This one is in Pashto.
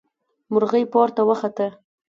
مرغۍ پورته وخته.